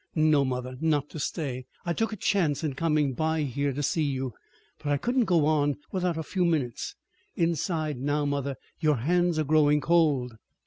"No, mother, not to stay. I took a chance in coming by here to see you, but I couldn't go on without a few minutes. Inside now, mother, your hands are growing cold."